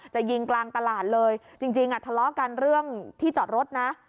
จะยิงกลางตลาดเลยจริงอ่ะทะเลาะกันเรื่องที่จอดรถนะ